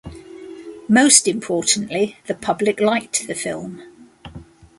Most importantly, the public liked the film.